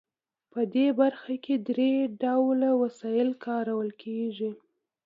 په دې برخه کې درې ډوله وسایل کارول کیږي.